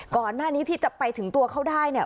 ก่อนหน้านี้ที่จะไปถึงตัวเขาได้